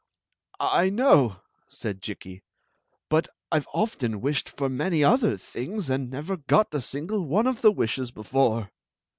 " I know," said Jikki. « But I Ve often wished for many other things — and never got a single one of the wishes before!"